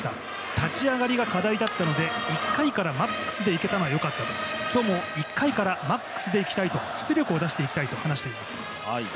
立ち上がりが課題だったので、１回からマックスでいけたのはよかったと今日も１回からマックスでいきたいと出力を出していきたいと話しています。